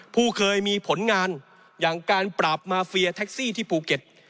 ผู้เคยมีผลงานอย่างการปราบมาเฟียแท็กซี่ที่ภูเก็ต